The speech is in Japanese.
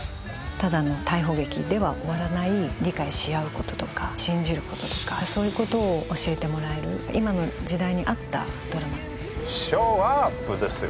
ただの逮捕劇では終わらない理解し合うこととか信じることとかそういうことを教えてもらえる今の時代に合ったドラマショーアップですよ